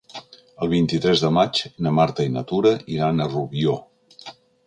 El vint-i-tres de maig na Marta i na Tura iran a Rubió.